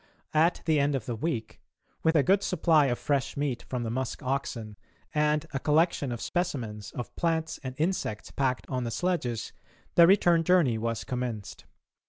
At the end of the week, with a good supply of fresh meat from the musk oxen and a collection of specimens of plants and insects packed on the sledges, the return journey was commenced.